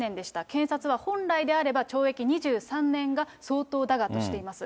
検察は本来であれば懲役２３年が相当だがとしています。